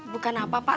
bukan apa pak